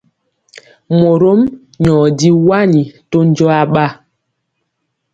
Morom nyɔ di wani to njɔɔ aɓa.